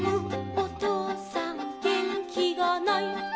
おとうさんげんきがない」